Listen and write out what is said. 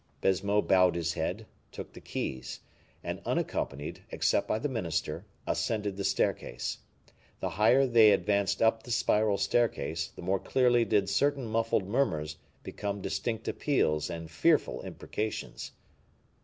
Baisemeaux bowed his head, took the keys, and unaccompanied, except by the minister, ascended the staircase. The higher they advanced up the spiral staircase, the more clearly did certain muffled murmurs become distinct appeals and fearful imprecations.